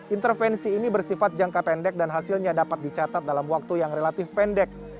intervensi ini bersifat jangka pendek dan hasilnya dapat dicatat dalam waktu yang relatif pendek